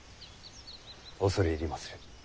恐れ入りまする。